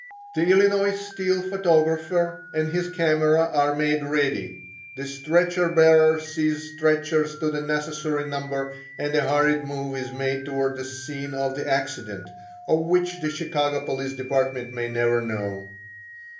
The Illinois Steel photographer and his camera are made ready; the stretcher bearers seize stretchers to the necessary number and a hurried move is made towards the scene of the accident, of which the Chicago police department may never know.